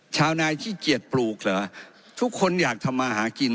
ชาวนายขี้เกียจปลูกเหรอทุกคนอยากทำมาหากิน